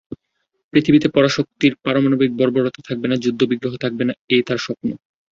পৃথিবীতে পরাশক্তির পারমাণবিক বর্বরতা থাকবে না, যুদ্ধবিগ্রহ থাকবে না—এই তাঁর স্বপ্ন।